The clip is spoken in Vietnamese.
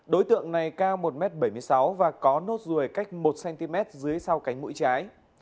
đối tượng này cao một m bảy mươi sáu và có nốt ruồi cách một cm dưới sau cánh mũi trái